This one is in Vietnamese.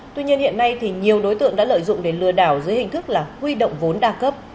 tuy nhiên hiện nay thì nhiều đối tượng đã lợi dụng để lừa đảo dưới hình thức là huy động vốn đa cấp